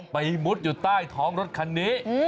มุดอยู่ใต้ท้องรถคันนี้